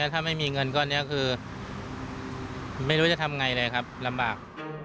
ถ้าไม่มีเงินก้อนนี้คือไม่รู้จะทำไงเลยครับลำบาก